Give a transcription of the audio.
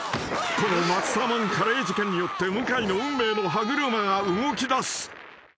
［このマッサマンカレー事件によって向井の運命の歯車が動きだす］